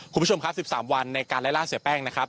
คุณผู้ชมครับ๑๓วันในการไล่ล่าเสียแป้งนะครับ